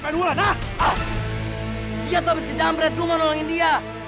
dia tuh abis kejam brad gua mau nolongin dia